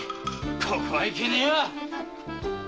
ここはいけねえよ